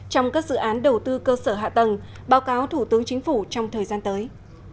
trong các dự án đầu tư cơ sở hạ tầng báo cáo thủ tướng chính phủ trong thời gian tới